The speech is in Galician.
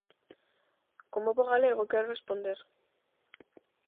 Como bo galego quero responder.